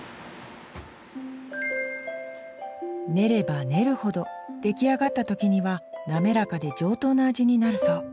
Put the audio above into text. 練れば練るほど出来上がった時には滑らかで上等な味になるそう。